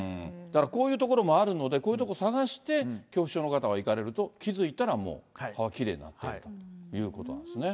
だからこういう所もあるので、こういう所を探して、恐怖症の方は行かれると、気付いたらもう歯はきれいになっているということなんですね。